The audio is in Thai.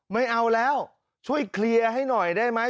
ไม่เอาแล้วช่วยเคลียร์ให้หน่อยได้ไหม